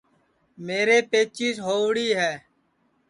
میرے پئچیس ہؤڑی ہے